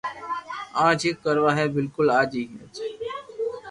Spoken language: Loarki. اج ھي ڪروا ھي بلڪل آج ھي آج